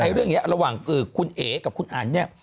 เรื่องนี้ระหว่างคุณเอ๋กับคุณอันเนี่ย